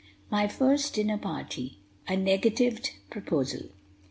MY FIRST DINNER PARTY. A NEGATIVED PROPOSAL.